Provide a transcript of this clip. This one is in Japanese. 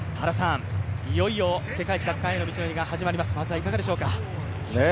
いよいよ世界一奪還への道のりが始まります、いかがでしょうか。